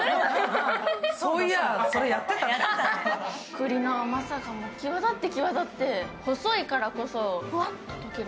栗の甘さが際立って、際立って、細いからこそ、ふわっとしてる。